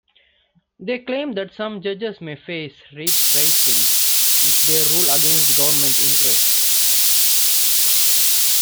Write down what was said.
They claim that some judges may face reprisals if they rule against government interests.